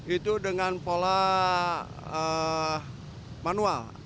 itu dengan pola manual